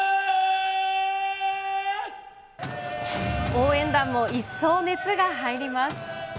応援団も一層熱が入ります。